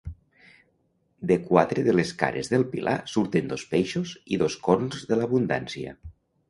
De quatre de les cares del pilar surten dos peixos i dos corns de l'abundància.